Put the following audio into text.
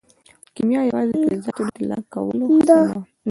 کیمیا یوازې د فلزاتو د طلا کولو هڅه نه وه.